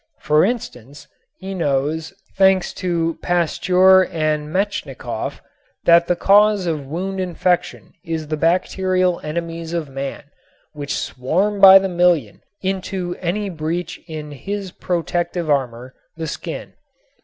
For instance, he knows, thanks to Pasteur and Metchnikoff, that the cause of wound infection is the bacterial enemies of man which swarm by the million into any breach in his protective armor, the skin.